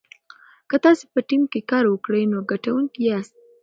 که تاسي په ټیم کې کار وکړئ نو ګټونکي یاست.